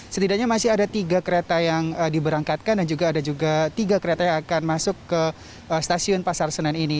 setidaknya masih ada tiga kereta yang diberangkatkan dan juga ada juga tiga kereta yang akan masuk ke stasiun pasar senen ini